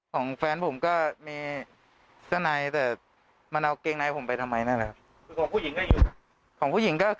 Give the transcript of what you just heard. สงบใจมั้ยหละตอนนี้ก็งงหรอก